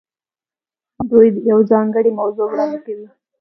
دوی یوه ځانګړې موضوع وړاندې کوي.